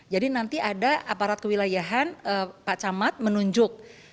jadi nanti ada aparat kewilayahan pak camat menunjuk